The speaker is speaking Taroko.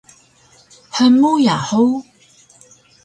Hmuya hug?